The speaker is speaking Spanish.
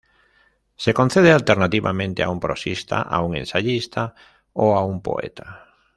Se concede alternativamente a un prosista, a un ensayista o a un poeta.